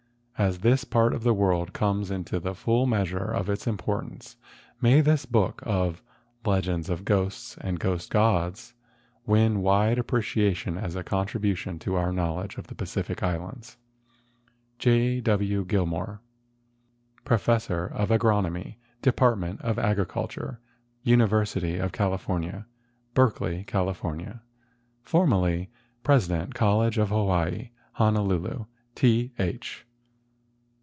As this part of the world comes FOREWORD vn into the full measure of its importance may this book of "Legends of Ghosts and Ghost gods'' win wide appreciation as a contribution to our knowledge of the Pacific Islands. J. W. Gilmore, Professor of Agronomy, Department of Agriculture, University of California, Berkeley, Cal. Formerly President College of Hawaii, Honolulu. T. H.